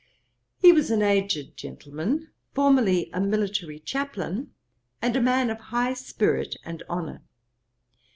He was an aged gentleman, formerly a military chaplain, and a man of high spirit and honour.